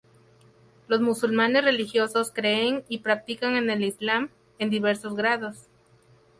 Los musulmanes religiosos creen y practican el Islam en diversos grados.